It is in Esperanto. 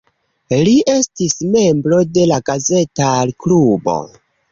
Li estis membro de la Gazetar-klubo.